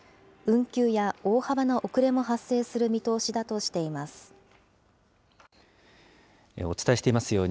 運休や大幅な遅れも発生する見通しだとしています。